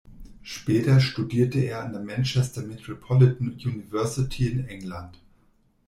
Später studierte er an der Manchester Metropolitan University in England.